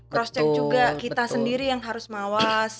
cross check juga kita sendiri yang harus mawas